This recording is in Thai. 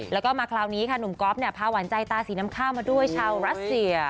แล้วก็มาคราวนี้ค่ะหนุ่มก๊อฟเนี่ยพาหวานใจตาสีน้ำข้าวมาด้วยชาวรัสเซีย